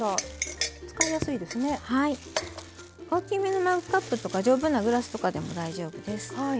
大きめのマグカップとか丈夫なグラスとかでも大丈夫です。